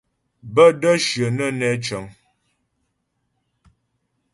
Bə́ də́ shyə nə́ nɛ cə̂ŋ.